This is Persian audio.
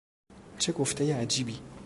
چه گفتهی عجیبی!